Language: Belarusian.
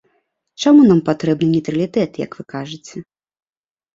Чаму нам патрэбны нейтралітэт, як вы кажаце?